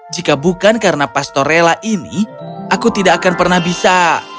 jika bukan karena pastor rela ini aku tidak akan pernah bisa